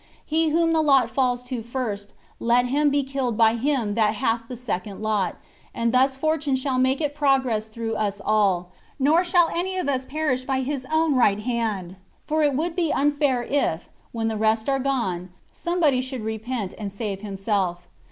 He whom the lot falls to first, let him be killed by him that hath the second lot, and thus fortune shall make its progress through us all; nor shall any of us perish by his own right hand, for it would be unfair if, when the rest are gone, somebody should repent and save himself."